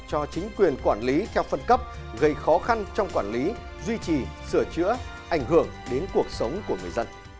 cho chính quyền quản lý theo phân cấp gây khó khăn trong quản lý duy trì sửa chữa ảnh hưởng đến cuộc sống của người dân